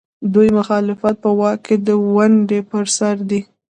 د دوی مخالفت په واک کې د ونډې پر سر دی.